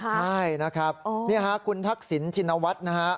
ใช่นะครับนี่ฮะคุณทักษิณชินวัฒน์นะฮะ